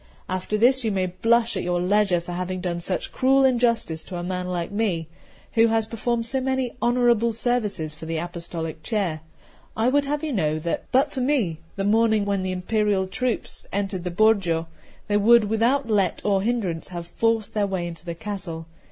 After this you may blush at your leisure for having done such cruel injustice to a man like me, who has performed so many honourable services for the apostolic chair. I would have you know that, but for me, the morning when the Imperial troops entered the Borgo, they would without let or hindrance have forced their way into the castle.